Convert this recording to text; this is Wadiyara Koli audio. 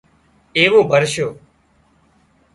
ايوون ڀرشو